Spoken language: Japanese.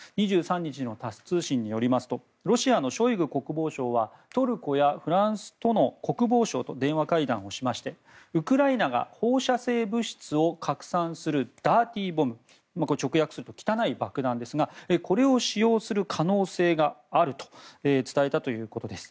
２３日のタス通信によりますとロシアのショイグ国防相はトルコやフランスとの国防相と電話会談をしましてウクライナが放射性物質を拡散するダーティーボム直訳すると、汚い爆弾ですがこれを使用する可能性があると伝えたということです。